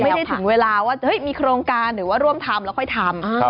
ถึงเวลาว่ามีโครงการหรือว่าร่วมทำแล้วค่อยทำ